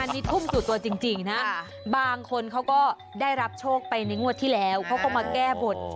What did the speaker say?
อันนี้ทุ่มสู่ตัวจริงนะบางคนเขาก็ได้รับโชคไปในงวดที่แล้วเขาก็มาแก้บท